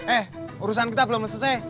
eh urusan kita belum selesai